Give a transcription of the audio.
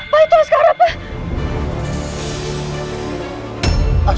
pak itu askara pak